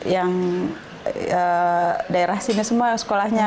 yang daerah sini semua sekolahnya